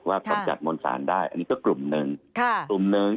ว่าจะจัดมนตรศาลได้ก็กลุ่มหนึ่ง